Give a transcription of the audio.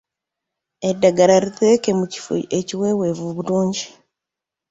Eddagala liteeke mu kifo ekiweweevu obulungi.